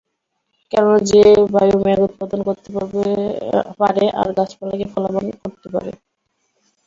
কেননা যে বায়ু মেঘ উৎপাদন করতে পারে, আর না গাছপালাকে ফলবান করতে পারে।